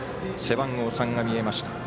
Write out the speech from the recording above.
背番号３が見えました。